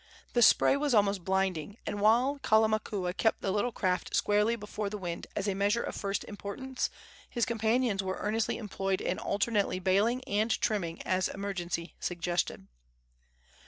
The spray was almost blinding, and, while Kalamakua kept the little craft squarely before the wind as a measure of first importance, his companions were earnestly employed in alternately baling and trimming as emergency suggested.